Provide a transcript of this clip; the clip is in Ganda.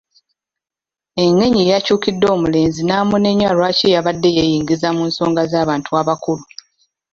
Engenyi yakyukidde omulenzi n'amunenya lwaki yabadde yeeyingiza mu nsonga z'abantu abakulu.